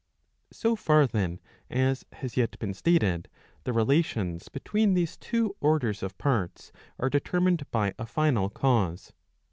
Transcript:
So far, then, as has yet been stated, the relations between these two orders of parts are determined by a final cause.